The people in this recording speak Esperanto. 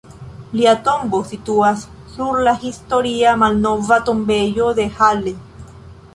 Lia tombo situas sur la historia Malnova tombejo de Halle.